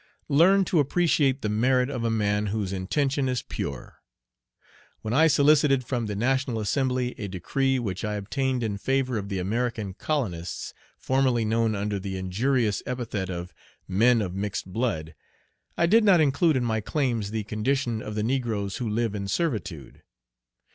"Learn to appreciate the merit of a man whose intention is pure. When I solicited from the National Assembly a decree Page 47 which I obtained in favor of the American colonists, formerly known under the injurious epithet of 'men of mixed blood,' I did not include in my claims the condition of the negroes who live in servitude.